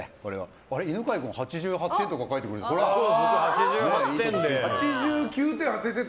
あれ、犬飼君は８８点とか書いてくれてる。